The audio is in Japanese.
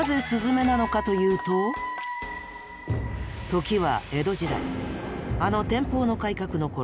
でも時は江戸時代あの天保の改革の頃。